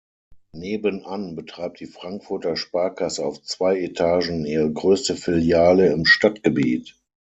Nebenan betreibt die Frankfurter Sparkasse auf zwei Etagen ihre größte Filiale im Stadtgebiet.